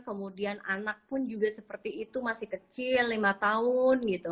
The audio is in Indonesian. kemudian anak pun juga seperti itu masih kecil lima tahun gitu